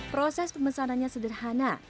proses pemesanannya sederhana